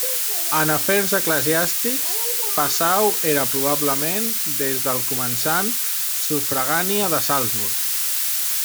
En afers eclesiàstics, Passau era probablement, des del començant, sufragània de Salzburg.